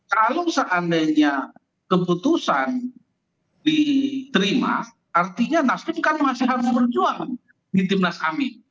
kalau seandainya keputusan diterima artinya nasdem kan masih harus berjuang di timnas amin